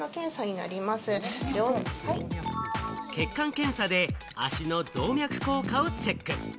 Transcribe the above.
血管検査で足の動脈硬化をチェック。